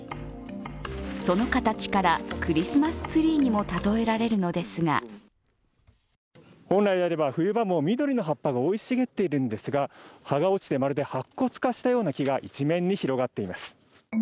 その形から、クリスマスツリーにも例えられるのですが本来であれば冬場も緑の葉っぱが生い茂っているのですが、葉が落ちて、まるで白骨化したような木が一面に広がっています。